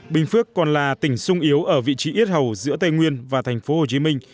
bình phước còn là tỉnh sung yếu ở vị trí ít hầu giữa tây nguyên và tp hcm